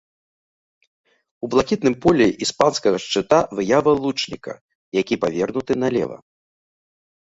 У блакітным полі іспанскага шчыта выява лучніка, які павернуты налева.